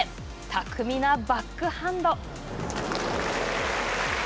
巧みなバックハンド。